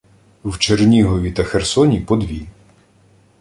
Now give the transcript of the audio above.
В Чернігові та Херсоні — по дві.